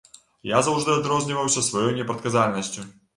Я заўжды адрозніваўся сваёй непрадказальнасцю.